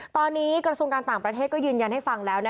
ตอนนี้กระทรวงการต่างประเทศก็ยืนยันให้ฟังแล้ว